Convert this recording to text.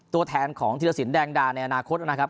ตัวแทนของธิรสินแดงดาในอนาคตนะครับ